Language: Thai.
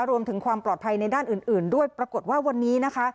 รวมถึงความปลอดภัยในด้านอื่นด้วยปรากฏว่าวันนี้นะคะ